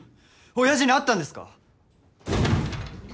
親父に会ったんですか？